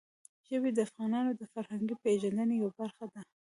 ژبې د افغانانو د فرهنګي پیژندنې یوه برخه ده.